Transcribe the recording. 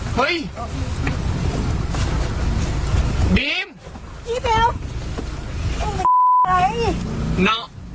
พี่เบลมึงเป็นไอ้